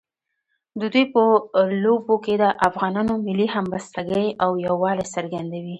د دوی په لوبو کې د افغانانو ملي همبستګۍ او یووالي څرګندوي.